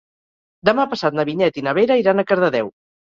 Demà passat na Vinyet i na Vera iran a Cardedeu.